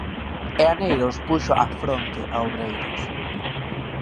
E Aneiros puxo á fronte a obreiros.